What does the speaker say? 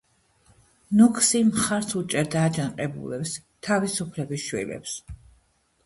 ნოქსი მხარს უჭერდა აჯანყებულებს, თავისუფლების შვილებს.